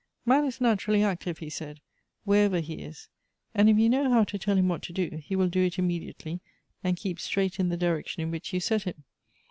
" Man is natur.ally active," he said, " wherever he is; and if j ou know how to tell him what to do, he will do it inimediatcl}', and keep straight in the dii ection in which you set him.